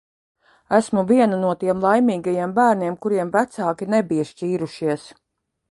Esmu viena no tiem laimīgajiem bērniem, kuriem vecāki nebija šķīrušies.